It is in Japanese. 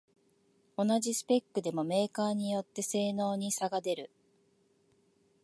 同じスペックでもメーカーによって性能に差が出る